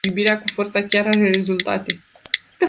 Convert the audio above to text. Iubirea cu forța chiar are rezultate.